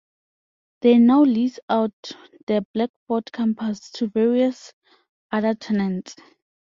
They now lease out the Blackford campus to various other tenants.